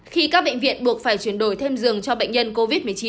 khi các bệnh viện buộc phải chuyển đổi thêm giường cho bệnh nhân covid một mươi chín